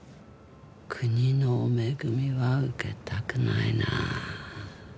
国の恵みは受けたくないなあ。